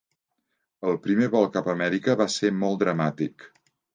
El primer vol cap a Amèrica va ser molt dramàtic.